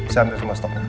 saya ambil semua stoknya